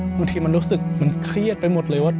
บางทีมันรู้สึกมันเครียดไปหมดเลยว่า